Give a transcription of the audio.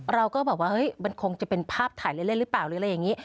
เราก็แบบว่าเฮ้ยมันคงจะเป็นภาพถ่ายเล่นหรือเปล่าหรืออะไรอย่างนี้